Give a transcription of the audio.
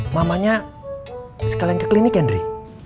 mamanya sekalian ke klinik ya nri